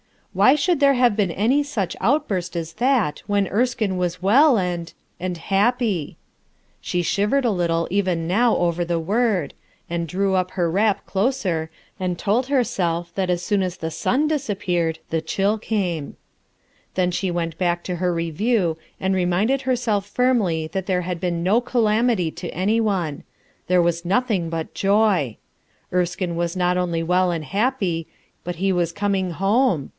Why should there have been any such outburst as that, when Erskine was well and — and happy. She shivered a little even now over the word, and drew her wrap closer and told herself that as soon as the sun disappeared the chill came, Then she went back to her review and reminded herself firmly that there had been no calamity H2 RUTH ERSKLYE'S SON to any one; there was nothing but joy. Erskine was not only well and happy, but he was coming home.